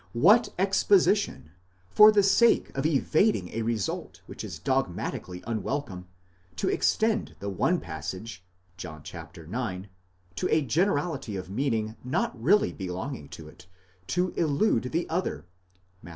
What exposition! for the sake of evading a result which is dogmati cally unwelcome, to extend the one passage (John ix.) to a generality of meaning not really belonging to it, to elude the other (Matt.